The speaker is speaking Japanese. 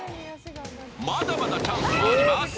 まだまだチャンスはあります。